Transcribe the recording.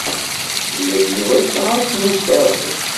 Yenna-d Yuba yesɛa ass n usteɛfu.